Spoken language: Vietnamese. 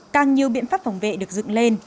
càng nhiều biện pháp phòng vệ được dựng lên